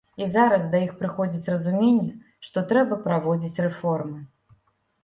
І зараз да іх прыходзіць разуменне, што трэба праводзіць рэформы.